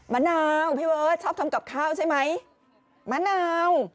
มะนาวพี่เบิร์ตชอบทำกับข้าวใช่ไหมมะนาว